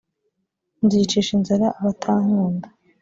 nzicisha inzara abatankunda